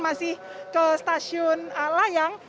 jadi ini ke stasiun layang